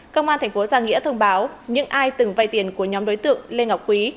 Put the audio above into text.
công an thành phố giang nghĩa thông báo những ai từng vay tiền của nhóm đối tượng lê ngọc quý